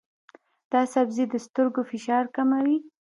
دا سبزی د سترګو فشار کموي.